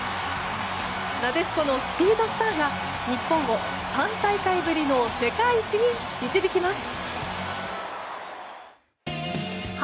なでしこのスピードスターが日本を３大会ぶりの世界一に導きます。